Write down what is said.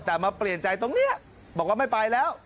แต่มาเปลี่ยนใจตรงนี้บอกว่าไม่ไปแล้ว